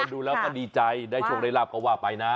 คนดูแล้วมันดีใจได้โชคได้หลับเขาว่าไปนะ